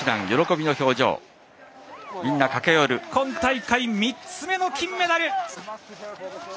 今大会３つ目の金メダル！